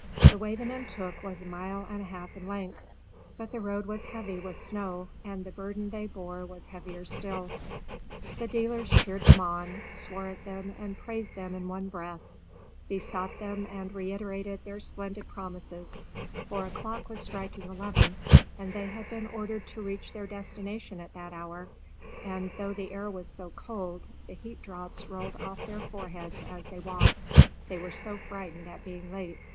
The way the men took was a mile and a half in length, but the road was heavy with snow, and the burden they bore was heavier still. The dealers cheered them on, swore at them and praised them in one breath; besought them and reiterated their splendid promises, for a clock was striking eleven, and they had been ordered to reach their destination at that hour, and, though the air was so cold, the heat drops rolled off their foreheads as they walked, they were so frightened at being late.